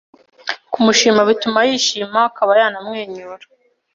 Kumushima bituma yishima akaba yanamwenyura.